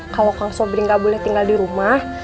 kalau kang sobri gak boleh tinggal di rumah